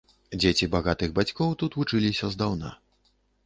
Дзеці багатых бацькоў тут вучыліся здаўна.